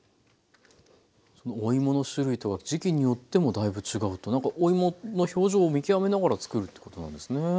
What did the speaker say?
そのおいもの種類とか時期によってもだいぶ違うとなんかおいもの表情を見極めながらつくるということなんですね。